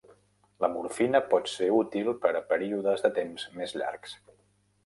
La morfina pot ser útil per a períodes de temps més llargs.